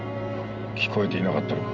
聞こえていなかったのか。